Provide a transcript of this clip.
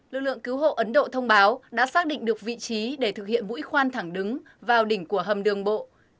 lực lượng cứu hộ ấn độ thông báo đã xác định được vị trí để thực hiện mũi khoan thẳng đứng vào đỉnh của hầm đường bộ